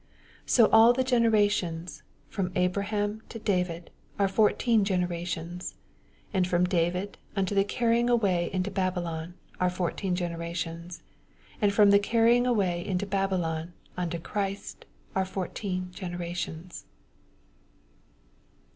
17 So all the generations, from Abraham to David, are fourteen gen« erations ; and from David, until the carrying away into Babvlon, are four teen generations ; and from the oarry ^ ing away into Babylon unto Christ, are fourteen generations.